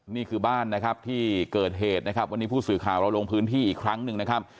นี่คือบ้านนะครับที่เกิดเหตุนะครับวันนี้ผู้สื่อข่าวเราลงพื้นที่อีกครั้งหนึ่งนะครับ